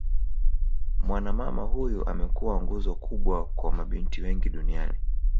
Mwana mama huyu amekuwa nguzo kubwa kwa mabinti wengi duniani